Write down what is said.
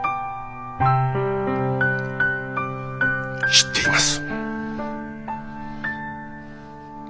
知っています。